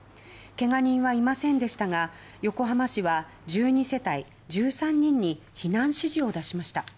けが人はいませんでしたが横浜市は１２世帯１３人に避難指示を出しました。